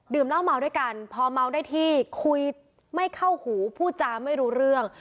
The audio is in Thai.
เหล้าเมาด้วยกันพอเมาได้ที่คุยไม่เข้าหูพูดจาไม่รู้เรื่อง